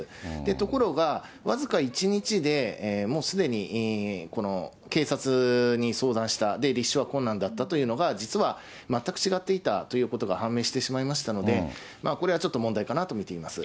ところが、僅か１日で、もうすでに警察に相談した、で、立証は困難だったというのが、実は全く違っていたということが判明してしまいましたので、これはちょっと問題かなと見ています。